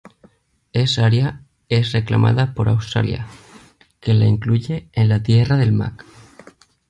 Es área es reclamada por Australia, que la incluye en la Tierra de Mac.